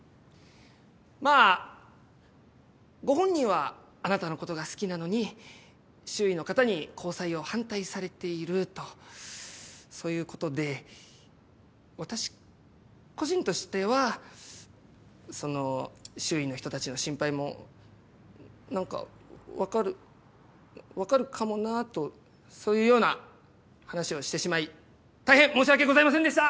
まあご本人はあなたのことが好きなのに周囲の方に交際を反対されているとそういう事で私個人としてはその周囲の人達の心配も何か分かる分かるかもなとそういうような話をしてしまい大変申し訳ございませんでした！